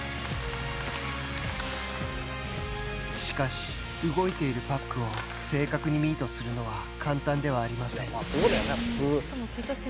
しかし、動いているパックを正確にミートするのは簡単ではありません。